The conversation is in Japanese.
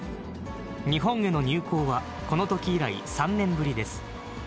日本への入港はこのとき以来、３年ぶりです。